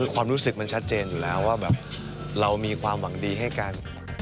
ความรู้สึกมันชัดเจนอยู่แล้วว่าแบบเรามีความหวังดีให้กัน